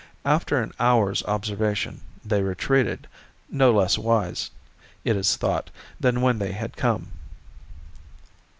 After an hour's observation they retreated, no less wise, it is thought, than when they had come.